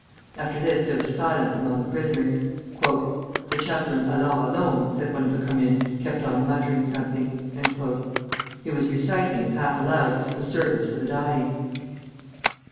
After this there was silence among the prisoners. "The chaplain Allard alone," said one of the Commune, "kept on muttering something." He was reciting, half aloud, the service for the dying.